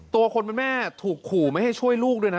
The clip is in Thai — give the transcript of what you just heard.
ตัวคนเป็นแม่ถูกขู่ไม่ให้ช่วยลูกด้วยนะ